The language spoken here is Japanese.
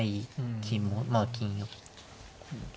金もまあ金寄って。